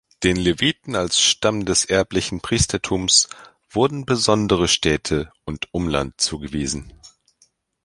Den Leviten als Stamm des erblichen Priestertums wurden besondere Städte und Umland zugewiesen.